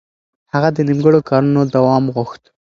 هغه د نيمګړو کارونو دوام غوښت.